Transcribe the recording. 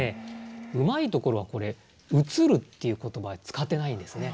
うまいところはこれ「映る」っていう言葉は使ってないんですね。